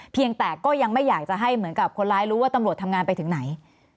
เพียงแต่ก็ยังไม่อยากจะให้เหมือนกับคนร้ายรู้ว่าตำรวจทำงานไปถึงไหน